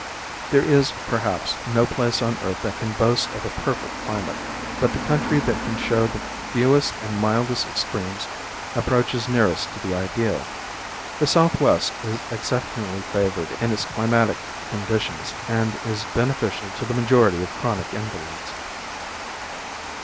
There is, perhaps, no place on earth that can boast of a perfect climate, but the country that can show the fewest and mildest extremes approaches nearest to the ideal. The southwest is exceptionally favored in its climatic conditions, and is beneficial to the majority of chronic invalids.